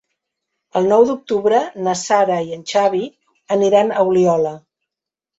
El nou d'octubre na Sara i en Xavi aniran a Oliola.